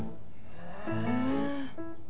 へえ！